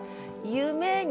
「夢に」